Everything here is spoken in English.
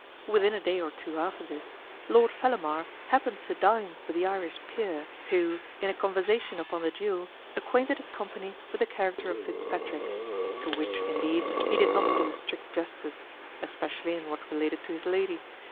Within a day or two after this, Lord Fellamar happened to dine with the Irish peer, who, in a conversation upon the duel, acquainted his company with the character of Fitzpatrick; to which, indeed, he did not do strict justice, especially in what related to his lady.